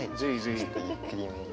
ちょっとゆっくりめに。